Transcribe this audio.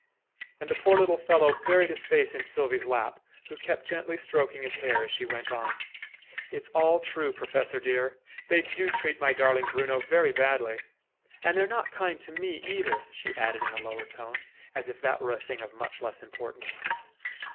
And the poor little fellow buried his face in Sylvie's lap, who kept gently stroking his hair as she went on. "It's all true, Professor dear! They do treat my darling Bruno very badly! And they're not kind to me either," she added in a lower tone, as if that were a thing of much less importance.